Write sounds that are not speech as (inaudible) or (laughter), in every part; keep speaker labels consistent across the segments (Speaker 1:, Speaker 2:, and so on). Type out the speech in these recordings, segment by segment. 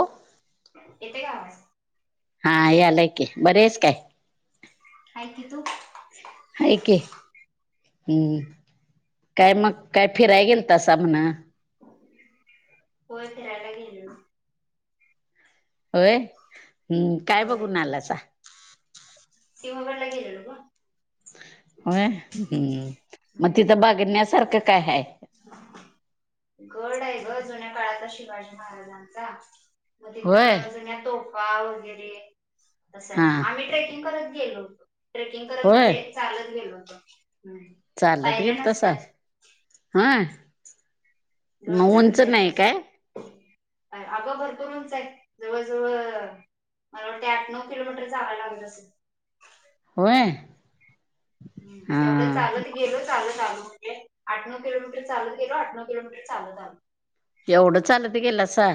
Speaker 1: ओ
Speaker 2: येते का आवाज?
Speaker 1: हा यायलंय की बरी आयस काय?
Speaker 2: हाय की, तू?
Speaker 1: हाय की. हम्म, काय मग काय फिराय गेलतास म्हण?
Speaker 2: व्हय फिरायला गेलेलो.
Speaker 1: होय हम्म, काय
Speaker 2: होय
Speaker 1: बघून आलासा?
Speaker 2: सिंहगडला गेलेलो ग.
Speaker 1: होय हम्म, मग
Speaker 2: हम्म
Speaker 1: तिथं बघण्यासारखं काय हाय.
Speaker 2: गड आय ग जुन्या काळाचा शिवाजी महाराजांचा. म तिथ
Speaker 1: होय
Speaker 2: जुन्या तोफा वगैरे तसं आय
Speaker 1: हा
Speaker 2: आम्ही ट्रेकिंग करत गेलो होतो ट्रेकिंग करत
Speaker 1: होय
Speaker 2: म्हणजे चालत गेलो होतो.
Speaker 1: चालत
Speaker 2: पायऱ्या
Speaker 1: गेलतासा
Speaker 2: नसत्यात
Speaker 1: होय म उंच नाय काय?
Speaker 2: आगं भरपुर उंच आय जवळजवळ मला वाटतंय आठ नऊ किलोमीटर चालायला लागत असंल.
Speaker 1: होय.
Speaker 2: हम्म,
Speaker 1: हा
Speaker 2: तेवढं चालत गेलो चालत आलोे आठ नऊ किलोमीटर चालत गेलो आठ नऊ किलोमीटर चालत आलो.
Speaker 1: एवढं चालत गेलासा?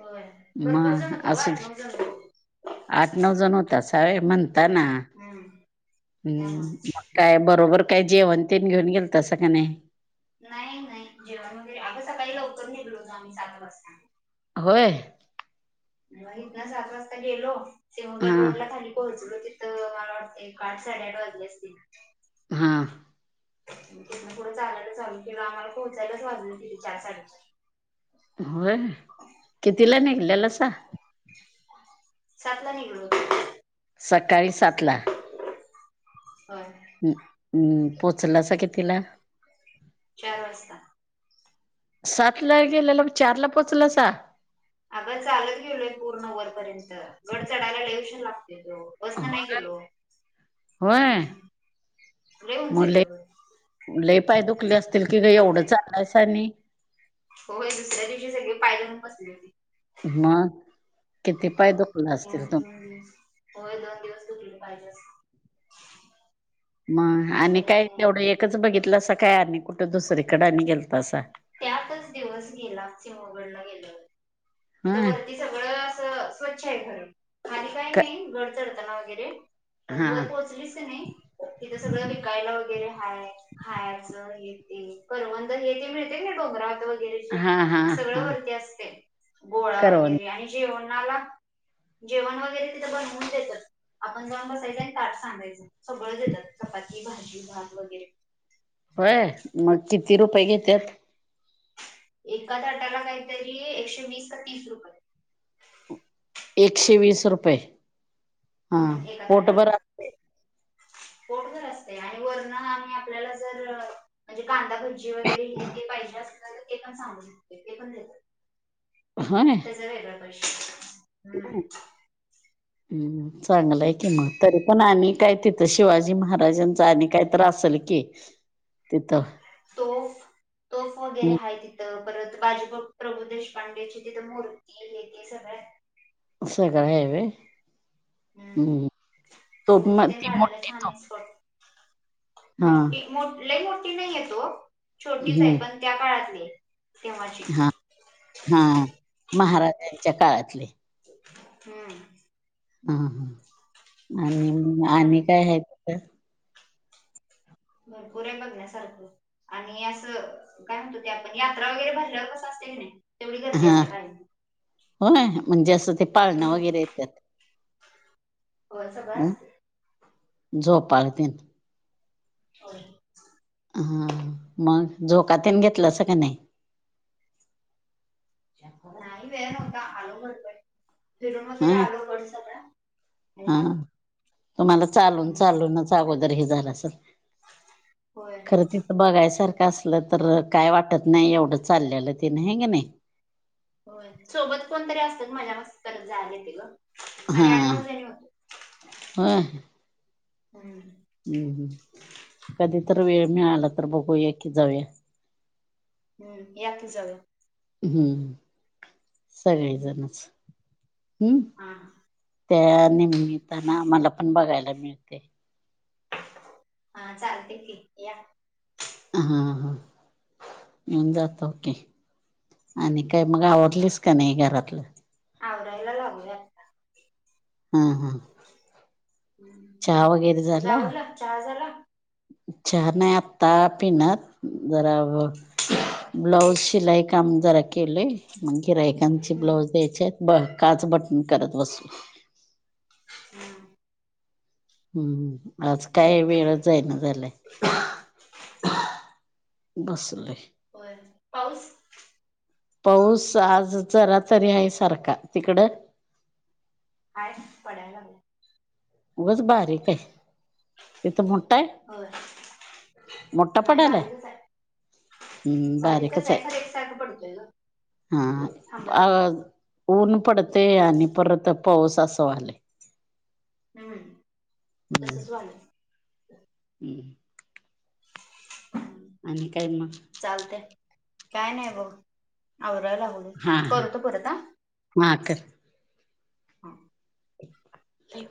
Speaker 2: व्हय भरपूर
Speaker 1: मग
Speaker 2: जण होतो ओ
Speaker 1: असू
Speaker 2: आठ
Speaker 1: दे
Speaker 2: नऊ जण.
Speaker 1: आठ नऊ जण होतासा व्हय म्हणता ना,
Speaker 2: हम्म त्यामुळे
Speaker 1: हम्म. काय बरोबर काय जेवण ते घेऊन गेलतासा का नाय?
Speaker 2: नाय नाय जेवण वगैरे आगं सकाळी लवकर निघलो होतो आम्ही सात वाजता.
Speaker 1: होय.
Speaker 2: म इथन सात वाजता गेलो. सिंहगड
Speaker 1: हा
Speaker 2: रोडला खाली पोहोचलो तिथं, मला वाटतं एक आठ साडेआठ वाजली असतील.
Speaker 1: हा....
Speaker 2: तिथून पुढं चालायला चालू केल. आम्हाला पोहचायच वाजलेत. तीन, चार, साडे चार
Speaker 1: होय... कितीला
Speaker 2: हम्म
Speaker 1: निघलेलास.
Speaker 2: सातला निघलो होतो.
Speaker 1: सकाळी, सातला...
Speaker 2: व्हय...
Speaker 1: हम्म.... पोचलास कितीला?
Speaker 2: चार वाजता.
Speaker 1: सातला गेलेलो चारला पोचलास हा.
Speaker 2: अग, चालत गेलोय पूर्ण वरपर्यंत गड चढायला लई उशीर लागतोय ग. बसन नाही गेलो.
Speaker 1: होय
Speaker 2: हम्म... लय उंच आहे ते डोंगर.
Speaker 1: लई पाय दुखले असतील की, ग एवढं चालायस आणि
Speaker 2: होय.. दुसऱ्या दिवशी सगळे पाय धरून बसलेत.
Speaker 1: मग, किती पाय दुखले असतील. तुमचे.
Speaker 2: हम्म... व्हय... दोन दिवस दुखले पाय जास्त.
Speaker 1: मग, आणि काय तेवढं एकच बघितलासा काय, अनी कुठ दुसरीकडे अनी गेलतासा?
Speaker 2: त्यातच दिवस गेला. सिंहगडला गेल्यावर तिथ
Speaker 1: होय
Speaker 2: वरती सगळं असं स्वच्छ आहे. खरं, खाली काही
Speaker 1: क
Speaker 2: नाही गड चढताना वगैरे... पण
Speaker 1: हा
Speaker 2: वर पोहोचलीस कनाई. तिथं सगळं विकायला वगैरे हाय, खायाच हे ते तर मग तिथे हे ते मिळते. ना
Speaker 1: हा हा
Speaker 2: डोंगरतच सगळ
Speaker 1: हा
Speaker 2: वरती असते. गोळा
Speaker 1: करवंद
Speaker 2: वगैरे आणि जेवणाला जेवण वगैरे तिथं बनवून देत्यात. आपण जाऊन बसायचं आणि ताट सांगायचं. सगळं देत्यात चपाती, भाजी, भात वगैरे.
Speaker 1: व्हय. मग किती रुपय घेत्यात?
Speaker 2: एका ताटाला, काहीतरी एकशे वीस का. तीस रुपय.
Speaker 1: एकशे वीस रुपय...
Speaker 2: हम्म... एका ताटाला. पोटभर असतय आणि वर्ण आणि आपल्याला जर म्हणजे, कांदा घ (inaudible) (unintelligible) वगैरे हे ते पाहिजे असतय. ते पण सांगू शकते ते पण देत्यात.
Speaker 1: (unintelligible)
Speaker 2: (unintelligible) हम्म.
Speaker 1: हम्म.... चांगलंय की मग, तरी पण आणि काय तिथं, शिवाजी महाराजांच आणि काय तर असेल की, तिथं?
Speaker 2: तोफ... तोफ वगैरे
Speaker 1: हम्म,
Speaker 2: आहे तिथं. परत बाजी प्रभू देशपांडेची तिथं मू (inaudible) (unintelligible) सगळय.
Speaker 1: सगळं आहे व्हय. हम्म... तोफ
Speaker 2: फोटो ते
Speaker 1: ती
Speaker 2: काढायला
Speaker 1: मोठी
Speaker 2: छान
Speaker 1: तोफ
Speaker 2: आहे स्पॉट मोठी मो लई मोठी नाहीये तोफ छोटीचे.
Speaker 1: हम्म
Speaker 2: पण त्या काळातलीय.
Speaker 1: हा.... हा.
Speaker 2: हं....
Speaker 1: महाराजांच्या काळातले
Speaker 2: हम्म.
Speaker 1: हं, हं आणि म
Speaker 2: छान
Speaker 1: आणि
Speaker 2: आहे
Speaker 1: काय हाय तिथं
Speaker 2: भरपूरे बघण्यासारखं आणि असं काय म्हणतो ते आपण यात्रा वगैरे भरल्याव कसं असतय कनाई
Speaker 1: हा होय म्हणजे असं ते पाळणं
Speaker 2: हम्म
Speaker 1: वगैरे येत्यात
Speaker 2: होय सगळं असतय
Speaker 1: झोपाळ तेन
Speaker 2: होय
Speaker 1: हा मग झोकातैन घेतलासा का नय
Speaker 2: नाही वेळ नव्हता आलो भरभर फिरून वगैरे
Speaker 1: अ
Speaker 2: आलो गड सगळा आणि
Speaker 1: हा, हा
Speaker 2: आलो
Speaker 1: तुम्हाला चालून
Speaker 2: हम्म
Speaker 1: चालूनच अगोदर हे झालं असल
Speaker 2: होय
Speaker 1: खरं ते बघायसारखं असलं तर काय वाटत नाही एवढं चाललेलं तेन हाय कनई
Speaker 2: होय सोबत कोणतरी असतं मजा मस्त करत जायलायेतय ओ
Speaker 1: हा
Speaker 2: आम्ही आठ, नऊ जणी होतो
Speaker 1: होय
Speaker 2: (unintelligible)
Speaker 1: कधी तर वेळ मिळाला तर बघू ये की जाऊया
Speaker 2: हम्म या की जाऊया
Speaker 1: हम्म
Speaker 2: हम्म.
Speaker 1: सगळीजणच हम्म
Speaker 2: हा
Speaker 1: त्या निमित्तानं आम्हाला पण बघायला मिळतय
Speaker 2: हा चालते की या
Speaker 1: हा, हा (unintelligible) की आणि काय मग
Speaker 2: हम्म.
Speaker 1: आवरलीस क नाही घरातलं
Speaker 2: आवरायला लागलोय आता
Speaker 1: ह, ह
Speaker 2: हम्म.
Speaker 1: चहा वगैरे
Speaker 2: तुझं
Speaker 1: झाला
Speaker 2: आवरलं चहा झाला
Speaker 1: चहा नाही आत्ता पिणार जरा आवरून ब्लाऊज शिलाई काम जरा केलय म गिऱ्हाईकांचे
Speaker 2: हम्म
Speaker 1: ब्लाऊज द्यायचेत ब काच बटन करत बस
Speaker 2: (unintelligible)
Speaker 1: आज काय
Speaker 2: हम्म, बरं
Speaker 1: वेळच जाई ना झालाय बसलोय
Speaker 2: होय पाऊस
Speaker 1: पाऊस आज जरा तरी आहे सारखा तिकडं
Speaker 2: आहे पडाय लागलाय
Speaker 1: उगच बारीक आहे तिथं मोठा आहे
Speaker 2: लागलाय
Speaker 1: मोठ्ठा
Speaker 2: होय नाही
Speaker 1: पडायलाय
Speaker 2: बारीकच आहे
Speaker 1: बारीकच आहे
Speaker 2: खरं एकसारखं पडतोय ग
Speaker 1: हा
Speaker 2: थांबत नाही
Speaker 1: अ ऊन पडतय आणि परत पाऊस असं व्हायलय
Speaker 2: ह
Speaker 1: हम्म
Speaker 2: तसच व्हायलय
Speaker 1: (unintelligible)
Speaker 2: (unintelligible)
Speaker 1: आणि काय मग?
Speaker 2: चालतंय काय नाही बघ आवरायला लागलोय
Speaker 1: हा,
Speaker 2: करतो परत हा
Speaker 1: हा (unintelligible) कर
Speaker 2: हो (unintelligible)